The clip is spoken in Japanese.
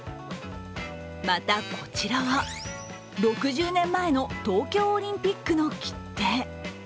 またこちらは６０年前の東京オリンピックの切手。